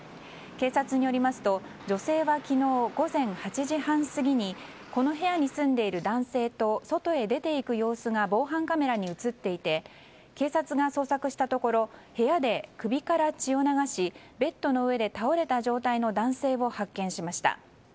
警察によりますと女性は昨日午前８時半過ぎにこの部屋に住んでいる男性と外へ出ていく様子が防犯カメラに映っていて警察が捜索したところ部屋で首から血を流しベッドの上で倒れた状態の男性を発見しました。